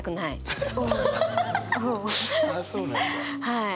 はい。